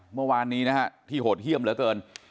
เมื่อวานนี้นะฮะที่โหดเยี่ยมเหลือเกิน